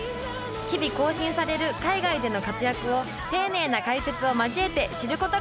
日々更新される海外での活躍を丁寧な解説を交えて知ることができるんです！